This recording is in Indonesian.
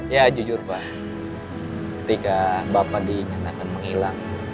ya jujur pak ketika bapak diingat akan menghilang